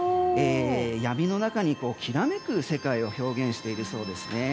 闇の中にきらめく世界を表現しているそうですね。